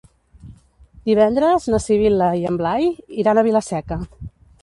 Divendres na Sibil·la i en Blai iran a Vila-seca.